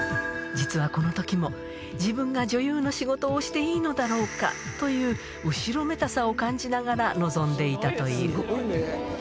実はこのときも、自分が女優の仕事をしていいのだろうかという後ろめたさを感じながら臨んでいたという。